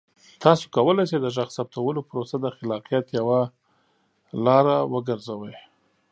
تاسو کولی شئ د غږ ثبتولو پروسه د خلاقیت یوه لاره وګرځوئ.